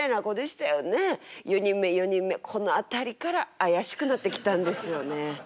４人目この辺りから怪しくなってきたんですよね。